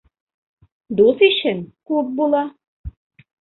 Дуҫ-ишең күп була.